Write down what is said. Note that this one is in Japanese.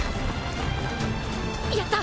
やった！